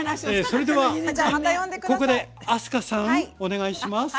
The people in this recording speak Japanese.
それではここで明日香さんお願いします